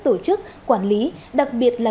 tổ chức quản lý đặc biệt là